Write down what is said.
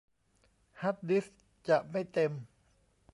ฮาร์ดดิสก์จะไม่เต็ม